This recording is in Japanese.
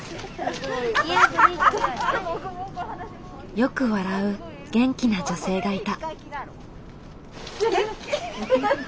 よく笑う元気な女性がいた。